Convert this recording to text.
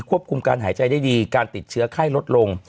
คุมการหายใจได้ดีการติดเชื้อไข้ลดลง